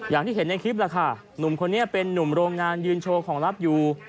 อย่างที่เห็นในคลิปแหละค่ะหนุ่มคนนี้เป็นนุ่มโรงงานยืนโชว์ของลับอยู่